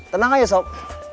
tenang aja sob